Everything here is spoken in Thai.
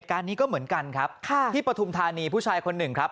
การนี้ก็เหมือนกันครับที่ปฐุมธานีผู้ชายคนหนึ่งครับ